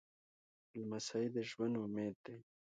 لمسی د ژوند امید دی.